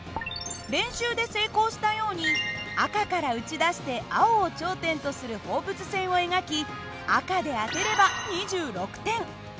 練習で成功したように赤から撃ち出して青を頂点とする放物線を描き赤で当てれば２６点。